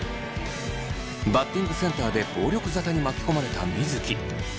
バッティングセンターで暴力沙汰に巻き込まれた水城。